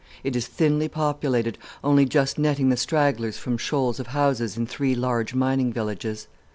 It is thinly populated, only just netting the stragglers from shoals of houses in three large mining villages.